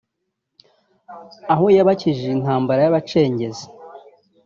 aho yabakijije intambara y’abacengezi